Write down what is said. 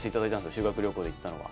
修学旅行で行ったのが。